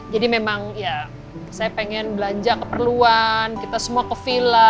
jadi memang ya saya pengen belanja keperluan kita semua ke vila